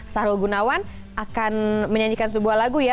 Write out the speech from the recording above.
sarul gunawan akan menyanyikan sebuah lagu ya